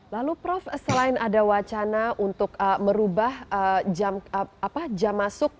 lalu prof selain ada wacana untuk merubah jam masuk